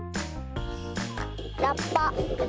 ラッパ。